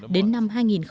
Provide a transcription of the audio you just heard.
đến năm hai nghìn hai mươi